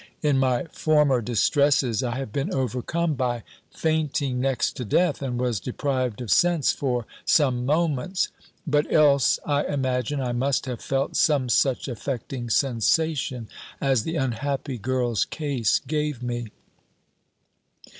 In my former distresses, I have been overcome by fainting next to death, and was deprived of sense for some moments But else, I imagine, I must have felt some such affecting sensation, as the unhappy girl's case gave me.